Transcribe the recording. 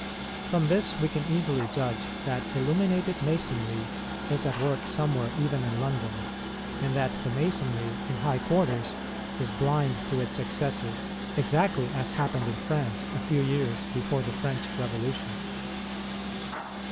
From this we can easily judge that illuminated Masonry is at work somewhere even in London, and that the Masonry in high quarters is blind to its excesses, exactly as happened in France a few years before the French Kevolution.